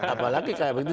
apalagi kayak begitu